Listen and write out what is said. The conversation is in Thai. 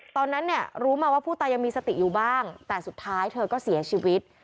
ตอนนั้นเนี่ยรู้มาว่าผู้ตายยังมีสติอยู่บ้างแต่สุดท้ายเธอก็เสียชีวิต